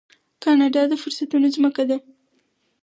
کاناډا د فرصتونو ځمکه ده.